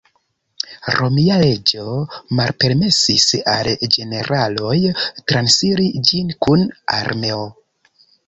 Romia leĝo malpermesis al generaloj transiri ĝin kun armeo.